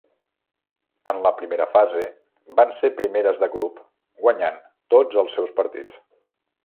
En la primera fase van ser primeres de grup guanyant tots els seus partits.